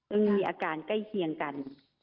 มีอาการใกล้เคียงกัน